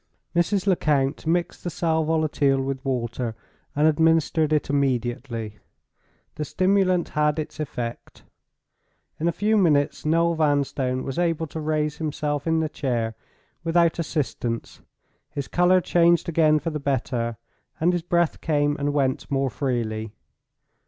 Mrs. Lecount mixed the sal volatile with water, and administered it immediately. The stimulant had its effect. In a few minutes Noel Vanstone was able to raise himself in the chair without assistance; his color changed again for the better, and his breath came and went more freely.